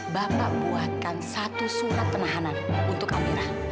bapak buatkan satu surat penahanan untuk amirah